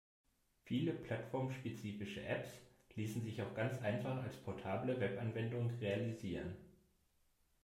Viele plattformspezifische Apps ließen sich auch ganz einfach als portable Webanwendung realisieren.